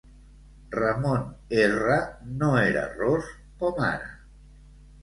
Ramon Erra no era ros com ara.